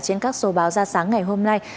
trên các số báo ra sáng ngày hôm nay